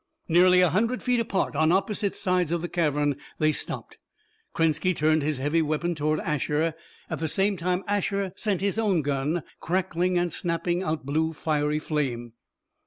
Nearly a hundred feet apart, on opposite sides of the cavern, they stopped. Krenski turned his heavy weapon toward Asher at the same time Asher sent his own gun crackling and snapping out blue, fiery flame.